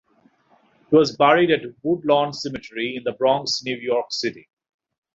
He was buried at Woodlawn Cemetery in The Bronx, New York City.